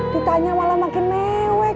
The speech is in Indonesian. ditanya malah makin mewek